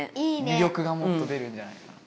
みりょくがもっと出るんじゃないかな。